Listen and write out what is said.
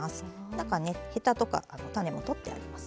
中ねヘタとか種も取ってあります。